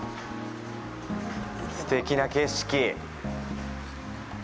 すてきな景色！